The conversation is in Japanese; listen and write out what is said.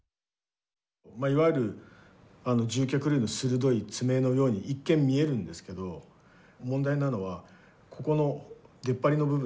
いわゆる獣脚類の鋭い爪のように一見見えるんですけど問題なのはここの出っ張りの部分なんですよね。